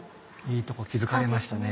いいとこ気付かれましたね。